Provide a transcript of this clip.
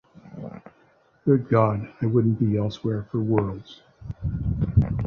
Good God, I wouldn't be elsewhere for worlds.